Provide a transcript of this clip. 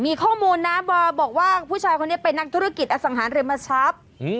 มีข้อมูลนะบอยบอกว่าผู้ชายคนนี้เป็นนักธุรกิจอสังหาริมทรัพย์